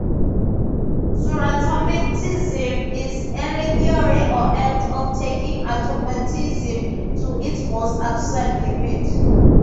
Surautomatism is any theory or act of taking automatism to its most absurd limits.